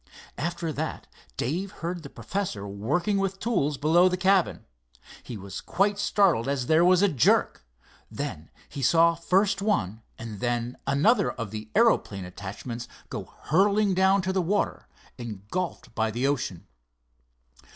After that Dave heard the professor working with tools below the cabin. He was quite startled as there was a jerk. Then he saw first one and then the other of the aeroplane attachments go hurtling down to the water, engulfed by the ocean.